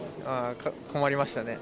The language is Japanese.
困りましたね。